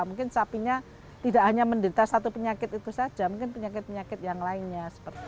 mungkin sapinya tidak hanya menderita satu penyakit itu saja mungkin penyakit penyakit yang lainnya